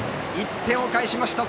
１点を返しました。